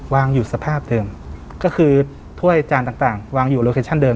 วางอยู่สภาพเดิมก็คือถ้วยจานต่างต่างวางอยู่โลเคชั่นเดิ